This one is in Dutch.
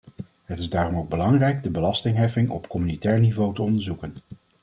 Het is daarom ook belangrijk de belastingheffing op communautair niveau te onderzoeken.